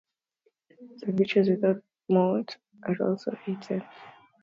Chorizo sandwiches, without "mote", are also eaten.